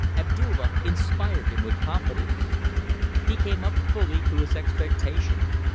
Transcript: Abdulla inspired him with confidence. He came up fully to his expectation.